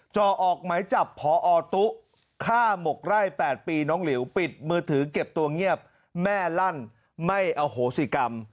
จ่อออกไหมจับพอตุ๊ฆ่าหมกไร่๘ปีน้องหลิวปิดมือถือเก็บตัวเงียบแม่ลั่นไม่อโหสิกรรม